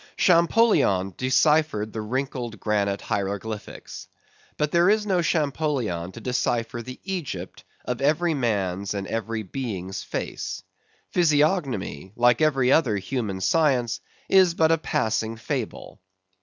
Champollion deciphered the wrinkled granite hieroglyphics. But there is no Champollion to decipher the Egypt of every man's and every being's face. Physiognomy, like every other human science, is but a passing fable.